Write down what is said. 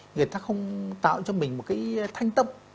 người ta không tạo cho mình một cái thanh tâm